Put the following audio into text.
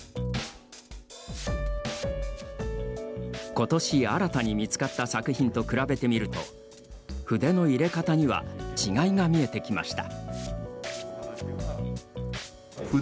ことし、新たに見つかった作品と比べてみると筆の入れ方には違いが見えてきました。